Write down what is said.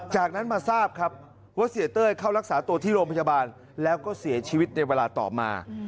จากนั้นมาทราบครับว่าเสียเต้ยเข้ารักษาตัวที่โรงพยาบาลแล้วก็เสียชีวิตในเวลาต่อมา